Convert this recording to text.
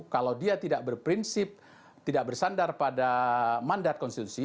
kalau dia tidak berprinsip tidak bersandar pada mandat konstitusi